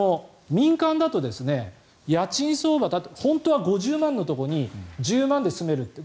更にこれ、民間だと家賃相場だと本当は５０万のところに１０万円で住める。